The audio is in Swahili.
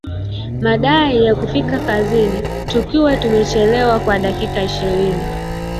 madai ya kufika kazini tukiwa tumechelewa kwa dakika ishirini